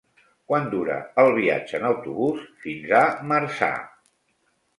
Quant dura el viatge en autobús fins a Marçà?